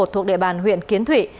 thuộc địa bàn huyện kiến thủy